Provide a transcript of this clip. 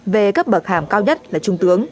về cấp bậc hàm cao nhất là trung tướng